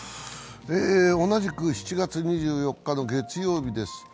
同じく７月２４日の月曜日です。